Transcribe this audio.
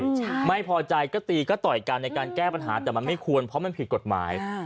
ใช่ไม่พอใจก็ตีก็ต่อยกันในการแก้ปัญหาแต่มันไม่ควรเพราะมันผิดกฎหมายอ่า